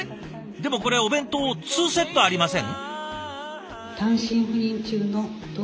でもこれお弁当２セットありません？